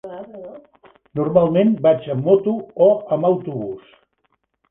Normalment vaig amb moto o amb autobús.